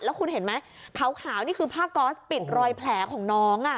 แล้วคุณเห็นไหมขาวนี่คือผ้าก๊อสปิดรอยแผลของน้อง